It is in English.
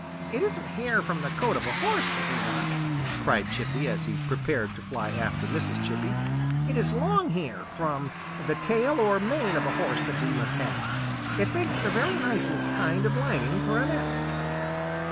"It isn't hair from the coat of a horse that we want," cried Chippy, as he prepared to fly after Mrs. Chippy. "It is long hair form the tail or mane of a horse that we must have. It makes the very nicest kind of lining for a nest."